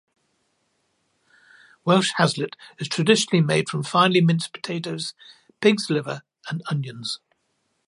Welsh haslet is traditionally made from finely minced potatoes, pigs' liver and onions.